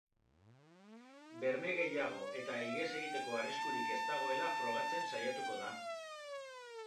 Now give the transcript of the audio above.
Berme gehiago eta ihes egiteko arriskurik ez dagoela frogatzen saiatuko da.